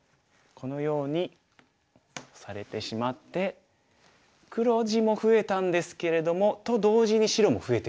このようにオサれてしまって黒地も増えたんですけれどもと同時に白も増えてるんですよ。